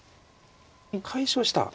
解消した。